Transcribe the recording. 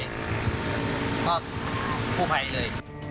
ก็กู้ไพเลย